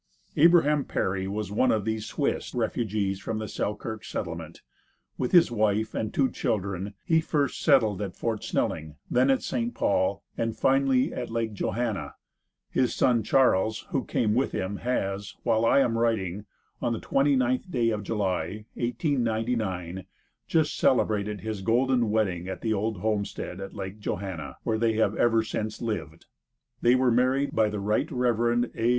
Abraham Perry was one of these Swiss refugees from the Selkirk settlement. With his wife and two children, he first settled at Fort Snelling, then at St. Paul, and finally at Lake Johanna. His son Charles, who came with him, has, while I am writing, on the twenty ninth day of July, 1899, just celebrated his golden wedding at the old homestead, at Lake Johanna, where they have ever since lived. They were married by the Right Reverend A.